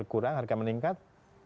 kurang harga meningkat